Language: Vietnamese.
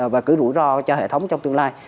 và cứ rủi ro cho hệ thống trong tương lai